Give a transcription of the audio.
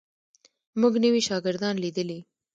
موږ نوي شاګردان لیدلي.